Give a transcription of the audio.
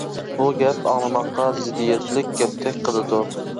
بۇ گەپ ئاڭلىماققا زىددىيەتلىك گەپتەك قىلىدۇ.